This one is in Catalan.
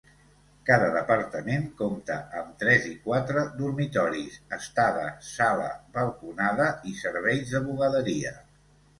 Cada departament compta amb tres i quatre dormitoris, estada, sala, balconada i serveis de bugaderia.